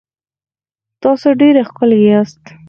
تاسو ډېر ښکلي یاست